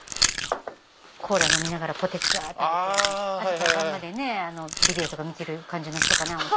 コーラ飲みながらポテチわって食べて朝から晩までビデオとか見てる感じの人かな。